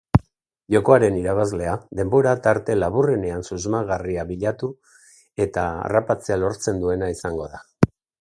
Jokoaren irabazlea denbora tarte laburrenean susmagarria bilatu eta harrapatzea lortzen duena izango da.